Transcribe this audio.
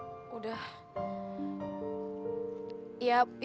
ya mungkin lo salah liat kali li